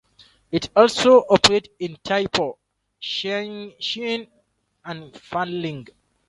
It also operates in Tai Po, Sheung Shui and Fanling.